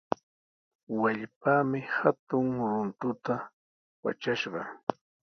Wallpaami hatun runtuta watrashqa.